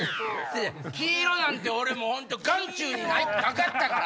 黄色なんて俺本当眼中になかったから！